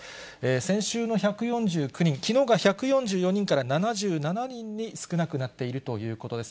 先週の１４９人、きのうが１４４人から７７人に少なくなっているということです。